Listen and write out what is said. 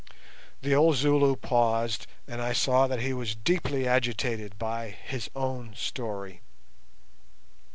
The old Zulu paused, and I saw that he was deeply agitated by his own story.